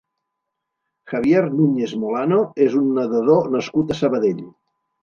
Javier Núñez Molano és un nedador nascut a Sabadell.